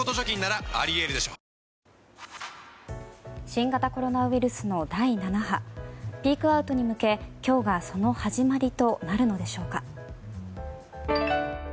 新型コロナウイルスの第７波ピークアウトに向け、今日がその始まりとなるのでしょうか。